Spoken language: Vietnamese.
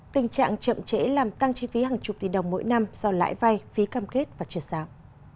tình trạng chậm chế làm tăng chi phí hàng chục tỷ đồng mỗi năm do lãi vay phí cam kết và triệt sản